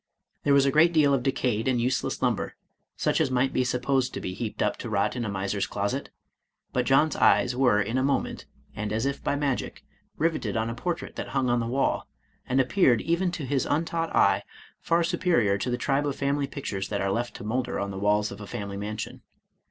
There was a great deal of decayed and useless lumber, such as might be supposed to be heaped up to rot in a miser's closet; but John's eyes were in a moment, and as if by magic, riveted on a portrait that hung on the wall, and appeared, even to his untaught eye, far superior to the tribe of family pictures that are left to molder on the walls of a family mansion.